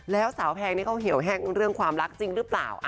แล้วสาวแพงนี่เขาเหี่ยวแห้งเรื่องความรักจริงหรือเปล่า